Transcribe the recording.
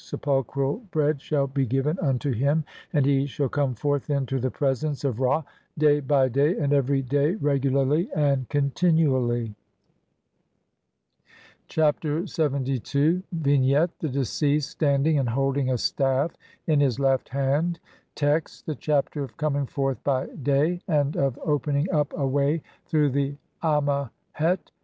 SEPULCHRAL BREAD SHALL BE GIVEN UNTO HIM, AND HE SHALL COME FORTH INTO THE PRESENCE [OF RA] DAY BY DAY, AND EVERY DAY, REGULARLY, AND CONTINUALLY.' Chapter LXXII. [From the Papyrus of Nebseni (Brit. Mus. No. 9,900, sheet 3).] Vignette : The deceased standing and holding a staff in his left hand. Text: (1) The Chapter of coming forth by day and of OPENING UP A WAY THROUGH THE AmMEHET.